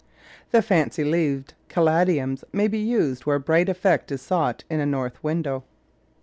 The fancy leaved Caladiums may be used where bright effect is sought in a north window.